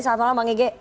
selamat malam bang ege